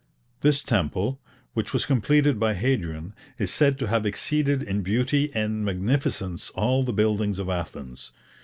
This temple, which was completed by Hadrian, is said to have exceeded in beauty and magnificence all the buildings of Athens.